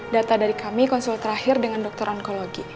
data dari kami konsul terakhir dengan dokter ankologi